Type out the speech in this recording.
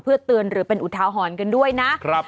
เพื่อเตือนหรือเป็นอุทาหรณ์กันด้วยนะ